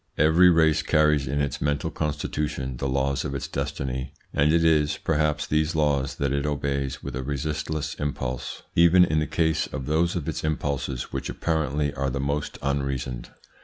Every race carries in its mental constitution the laws of its destiny, and it is, perhaps, these laws that it obeys with a resistless impulse, even in the case of those of its impulses which apparently are the most unreasoned.